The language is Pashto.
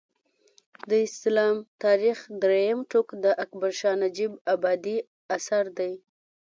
د اسلام تاریخ درېیم ټوک د اکبر شاه نجیب ابادي اثر دی